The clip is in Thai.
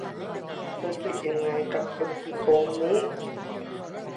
เธอคิดยังไงกับคนขี้โกงคนนี้